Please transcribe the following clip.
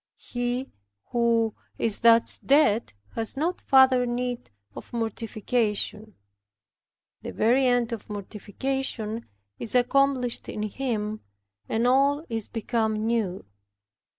He who is thus dead has no further need of mortification. The very end of mortification is accomplished in him, and all is become new.